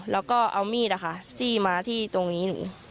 แล้วก็เอามีดจี้มาที่ตรงนี้